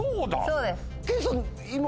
そうです。